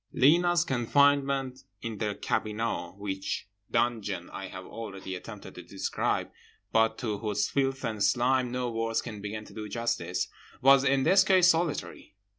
Lena's confinement in the cabinot—which dungeon I have already attempted to describe but to whose filth and slime no words can begin to do justice—was in this case solitary.